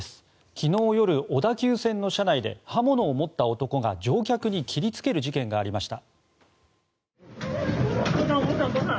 昨日夜、小田急線の車内で刃物を持った男が乗客に切りつける事件がありました。